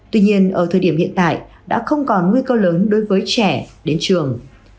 tuy nhiên ở thời điểm hiện tại đã không còn nguy cơ lớn đối với trẻ đến trường